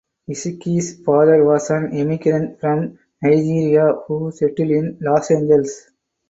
Ezike’s father was an emigrant from Nigeria who settled in Los Angeles.